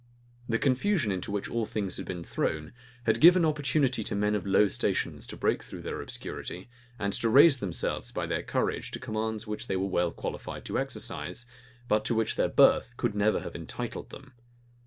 The confusion into which all things had been thrown, had given opportunity to men of low stations to break through their obscurity, and to raise themselves by their courage to commands which they were well qualified to exercise, but to which their birth could never have entitled them.